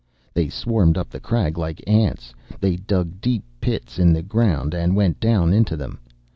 They swarmed up the crag like ants. They dug deep pits in the ground and went down into them.